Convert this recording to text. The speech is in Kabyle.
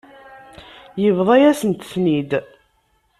Yebḍa-yasent-tent-id.